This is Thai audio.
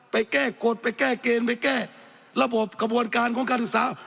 ไปแก้กฎไปแก้เกณฑ์ไปแก้ระบบกระบวนการของการศึกษา